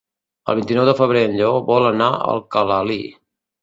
El vint-i-nou de febrer en Lleó vol anar a Alcalalí.